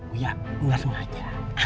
uya nggak sengaja